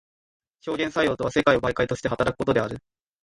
表現作用とは世界を媒介として働くことである。